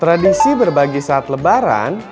tradisi berbagi saat lebaran